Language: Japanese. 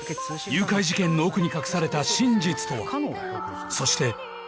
誘拐事件の奥に隠された真実とは？